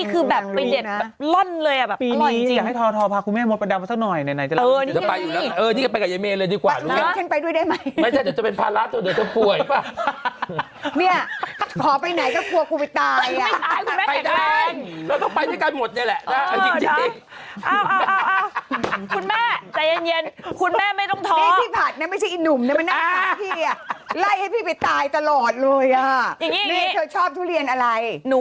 คือเคยไปกินง็อตกับทุเรียนทระหลาดสดสนามเป้าใช่ไหม